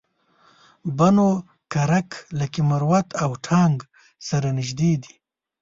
بنو کرک لکي مروت او ټانک سره نژدې دي